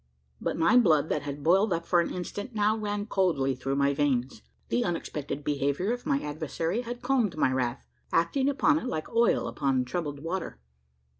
But my blood, that had boiled up for an instant, now ran coldly through my veins. The unexpected behaviour of my adversary had calmed my wrath acting upon it like oil upon troubled water.